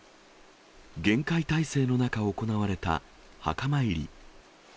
厳戒態勢の中、行われた墓参り。